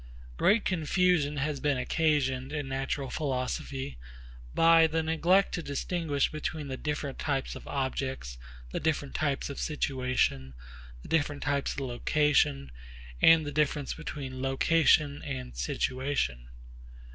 Great confusion has been occasioned in natural philosophy by the neglect to distinguish between the different types of objects, the different types of situation, the different types of location, and the difference between location and situation.